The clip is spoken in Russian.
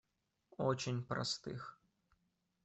Очень простых.